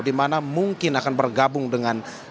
dimana mungkin akan bergabung dengan